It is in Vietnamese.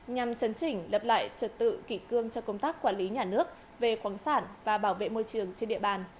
nhằm chấn chỉnh lập lại trật tự kỷ cương cho công tác quản lý nhà nước về khoáng sản và bảo vệ môi trường trên địa bàn